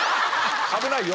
危ないよ。